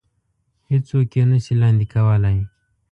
هېڅ څوک يې نه شي لاندې کولی.